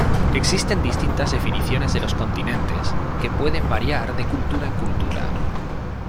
Existen distintas definiciones de los continentes que pueden variar de cultura en cultura.